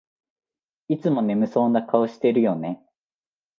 いつも眠そうな顔してるよね